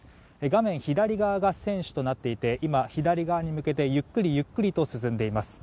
画面左側が船首となっていて今、左側に向けて、ゆっくりゆっくりと進んでいます。